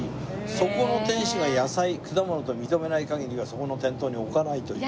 そこの店主が野菜果物と認めない限りはそこの店頭に置かないという。